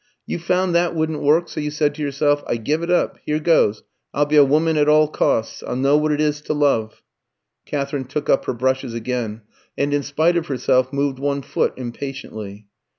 You found that wouldn't work, so you said to yourself, 'I give it up. Here goes; I'll be a woman at all costs. I'll know what it is to love.'" Katherine took up her brushes again, and in spite of herself moved one foot impatiently.